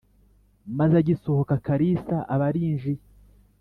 maze agisohoka kalisa aba arinjiye